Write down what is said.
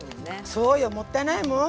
そうよもったいないもん。